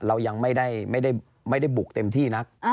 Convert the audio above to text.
เรายังไม่ได้บุกเต็มที่นัก